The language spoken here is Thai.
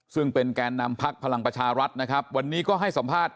ซึ่งเป็นแกนนำพักพลังประชารัฐนะครับวันนี้ก็ให้สัมภาษณ์